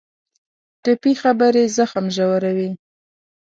ټپي خبرې زخم ژوروي.